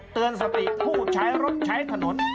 เตือนสติผู้ใช้รถใช้ถนน